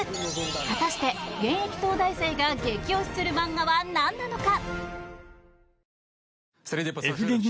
果たして、現役東大生が激推しする漫画は何なのか？